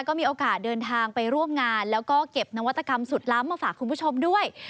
ก็มีโอกาสเดินทางไปร่วมงานแล้วก็เก็บนวัตกรรมสุดล้ำมาฝากคุณผู้ชมด้วย